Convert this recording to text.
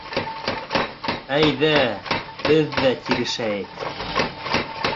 — Әйҙә, беҙ ҙә тирешәйек.